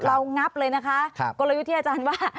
งับเลยนะคะกลยุทธ์ที่อาจารย์ว่า